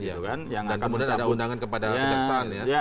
dan kemudian ada undangan kepada kejaksaan